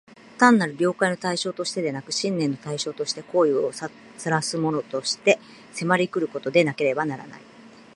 単なる了解の対象としてでなく、信念の対象として、行為を唆すものとして、迫り来ることでなければならない。